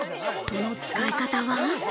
その使い方は。